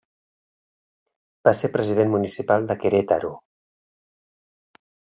Va ser president Municipal de Querétaro.